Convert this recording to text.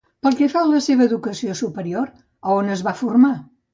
Pel que fa a la seva educació superior, a on es va formar?